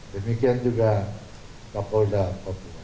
demikian juga pak polda pak polda